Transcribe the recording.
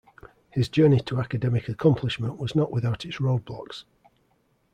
His journey to academic accomplishment was not without its roadblocks.